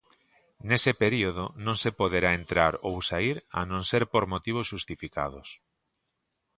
Nese período non se poderá entrar ou saír a non ser por motivos xustificados.